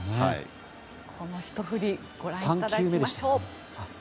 このひと振りご覧いただきましょう。